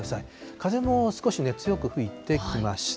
風も少し強く吹いてきました。